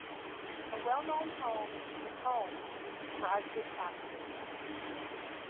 A well-known poem, "The Combe," describes it aptly.